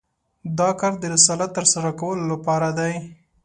دا کار د رسالت تر سره کولو لپاره دی.